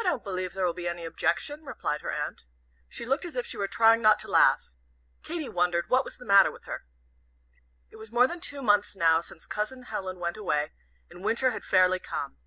"I don't believe there will be any objection," replied her aunt. She looked as if she were trying not to laugh. Katy wondered what was the matter with her. It was more than two months now since Cousin Helen went away, and Winter had fairly come.